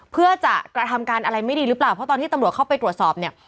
เพื่อจะกระทำการอะไรไม่ดีหรือเปล่าเพราะตอนที่ตำรวจเข้าไปตรวจสอบเนี่ย